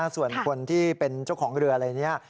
ส่วนคนที่เป็นเจ้าของเรืออะไรนี้